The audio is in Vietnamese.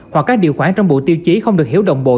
hoặc các điều khoản trong bộ tiêu chí không được hiểu đồng bộ